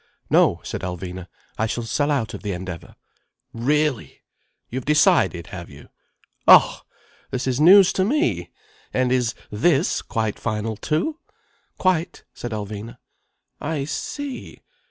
"No," said Alvina. "I shall sell out of the Endeavour." "Really! You've decided, have you? Oh! This is news to me. And is this quite final, too?" "Quite," said Alvina. "I see!